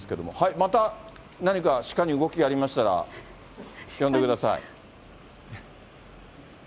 また何か、鹿に鹿に動きがありましたら、呼んでください。